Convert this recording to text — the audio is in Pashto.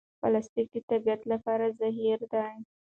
پلاستیک د طبیعت لپاره زهر دی.